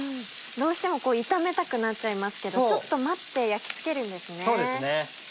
どうしても炒めたくなっちゃいますけどちょっと待って焼きつけるんですね。